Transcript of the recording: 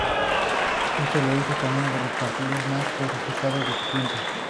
Esto la hizo uno de los partidos más codiciados de su tiempo.